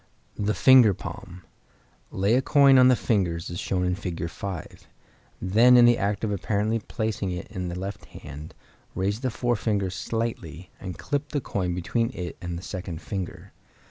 The Finger Palm.—Lay a coin on the fingers as shown in Fig. 5. Then in the act of apparently placing it in the left hand, raise the forefinger slightly, and clip the coin between it and the second finger.